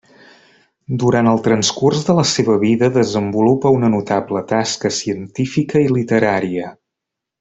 Durant el transcurs de la seva vida desenvolupa una notable tasca científica i literària.